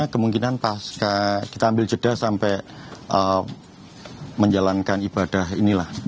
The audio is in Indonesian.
kemungkinan pas kita ambil jeda sampai menjalankan ibadah inilah